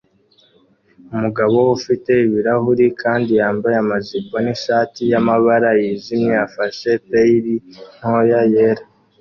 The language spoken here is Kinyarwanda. Umugabo ufite ibirahuri kandi yambaye amajipo nishati yamabara yijimye afashe pail ntoya yera